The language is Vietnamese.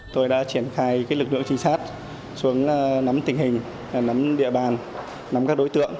tôi đã triển khai lực lượng trinh sát xuống nắm tình hình nắm địa bàn nắm các đối tượng